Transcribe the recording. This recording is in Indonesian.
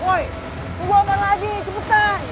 woi tunggu abang lagi cepetan